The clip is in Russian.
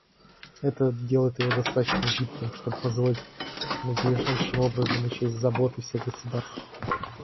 Это делает его достаточно гибким, чтобы позволить надлежащим образом учесть заботы всех государств.